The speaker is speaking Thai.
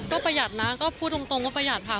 ก็ประหยัดนะก็พูดตรงว่าประหยัดค่ะ